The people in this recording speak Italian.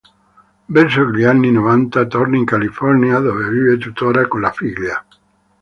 Verso gli anni novanta torna in California, dove vive tuttora con la figlia.